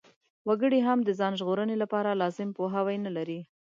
وګړي هم د ځان ژغورنې لپاره لازم پوهاوی نلري.